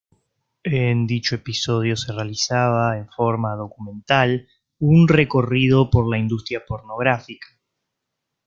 En dicho episodio se realizaba, en forma documental, un recorrido por la industria pornográfica.